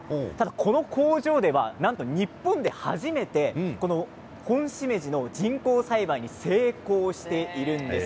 この工場ではなんと日本で初めてホンシメジの人工栽培に成功しているんです。